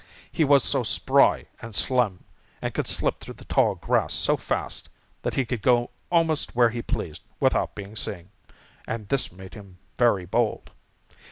He was so spry and slim, and could slip through the tall grass so fast, that he could go almost where he pleased without being seen, and this made him very bold.